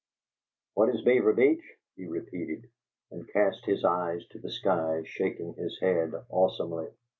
"What is Beaver Beach?" he repeated, and cast his eyes to the sky, shaking his head awesomely.